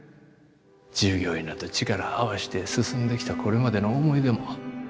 従業員らと力合わして進んできたこれまでの思い出も。